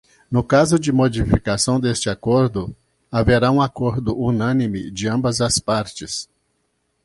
No caso de modificação deste acordo, haverá um acordo unânime de ambas as partes.